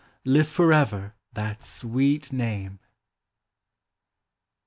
Live forever that sweet name